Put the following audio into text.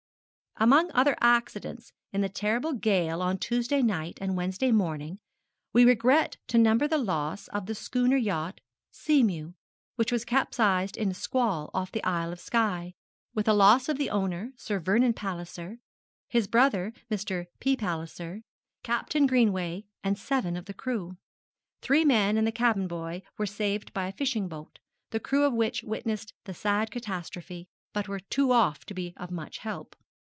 _ 'Among other accidents in the terrible gale on Tuesday night and Wednesday morning, we regret to number the loss of the schooner yacht Seamew, which was capsized in a squall off the Isle of Skye, with the loss of the owner, Sir Vernon Palliser, his brother, Mr. P. Palliser, Captain Greenway, and seven of the crew. Three men and the cabin boy were saved by a fishing boat, the crew of which witnessed the sad catastrophe, but were too far off to be of much help.'